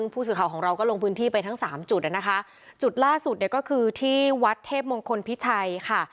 ผู้สื่อข่าวของเราก็ลงพื้นที่ไปทั้งสามจุดนะคะจุดล่าสุดเนี่ยก็คือที่วัดเทพมงคลพิชัยค่ะ